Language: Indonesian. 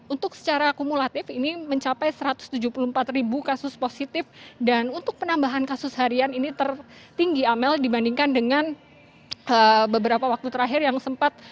untuk secara kumulatif ini mencapai satu ratus tujuh puluh empat ribu kasus positif dan untuk penambahan kasus harian ini tertinggi amel dibandingkan dengan beberapa waktu terakhir yang sempat